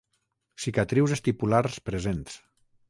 Cicatrius estipulars presents.